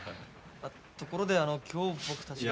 ところであの今日僕たちは。